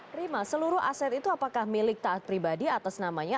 terima seluruh aset itu apakah milik taat pribadi atas namanya